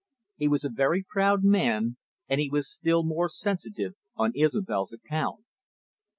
He was a very proud man, and he was still more sensitive on Isobel's account.